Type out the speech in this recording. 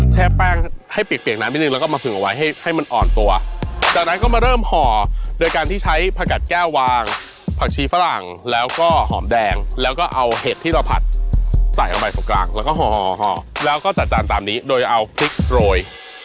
แช่แป้งให้เปียกน้ำนิดนึงแล้วก็มาผึงเอาไว้ให้ให้มันอ่อนตัวจากนั้นก็มาเริ่มห่อโดยการที่ใช้ผักกัดแก้ววางผักชีฝรั่งแล้วก็หอมแดงแล้วก็เอาเห็ดที่เราผัดใส่ลงไปตรงกลางแล้วก็ห่อห่อแล้วก็จัดจานตามนี้โดยเอาพริกโรย